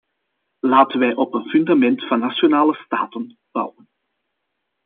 Laten wij op een fundament van nationale staten bouwen.